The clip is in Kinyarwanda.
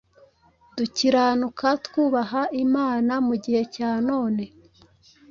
dukiranuka, twubaha Imana mu gihe cya none,